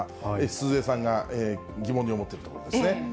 鈴江さんが疑問に思っているところですね。